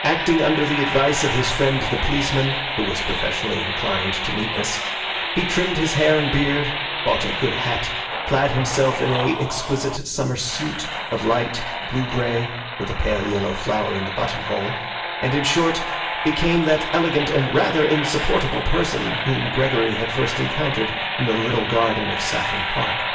Acting under the advice of his friend the policeman (who was professionally inclined to neatness), he trimmed his hair and beard, bought a good hat, clad himself in an exquisite summer suit of light blue grey, with a pale yellow flower in the button hole, and, in short, became that elegant and rather insupportable person whom Gregory had first encountered in the little garden of Saffron Park.